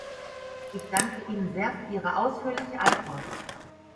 Ich danke Ihnen sehr für Ihre ausführliche Antwort.